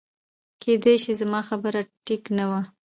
کېدی شي زما خبره ټیک نه وه